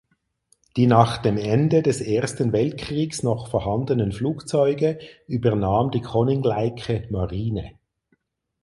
Die nach dem Ende des Ersten Weltkriegs noch vorhandenen Flugzeuge übernahm die Koninklijke Marine.